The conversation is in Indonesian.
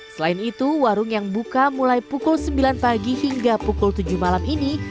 selain itu warung yang buka mulai pukul sembilan pagi hingga pukul tujuh malam ini